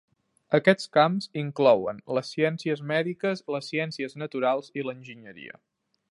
Aquests camps inclouen les ciències mèdiques, les ciències naturals i l'enginyeria.